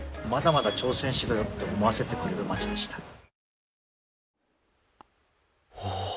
まだまだ挑戦しろよって思わせてくれる街でした。